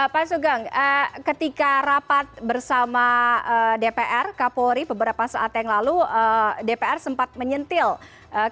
pak sugeng ketika rapat bersama dpr kapolri beberapa saat yang lalu dpr sempat menyentil kpk